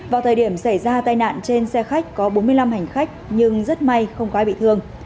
vào thời điểm xảy ra tai nạn trên xe khách có bốn mươi năm hành khách nhưng rất may không có ai bị thương